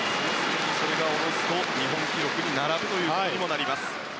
それがおのずと日本記録に並ぶということにもなります。